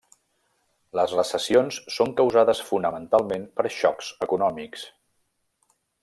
Les recessions són causades fonamentalment per xocs econòmics.